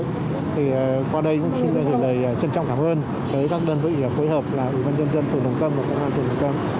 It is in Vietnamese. thì qua đây cũng xin lời trân trọng cảm ơn tới các đơn vị phối hợp ủy ban nhân dân phường đồng tâm và công an phường đồng tâm